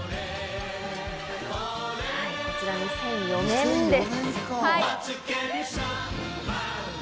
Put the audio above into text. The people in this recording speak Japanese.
こちら２００４年です。